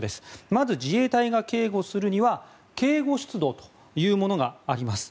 まず自衛隊が警護するには警護出動というものがあります。